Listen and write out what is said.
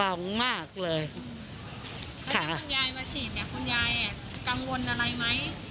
แล้วถ้าคุณยายมาฉีดเนี่ยคุณยายกังวลอะไรไหม